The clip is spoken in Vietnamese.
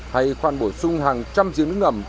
hay khoan bổ sung hàng trăm riêng nước ngầm